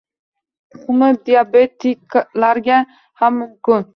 Tuxumi diabetiklarga ham mumkin.